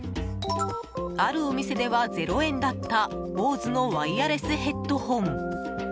あるお店では０円だったＢＯＳＥのワイヤレスヘッドホン。